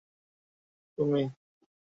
তুমি আমার কাছ থেকে কিছু লুকাতে পারবে না।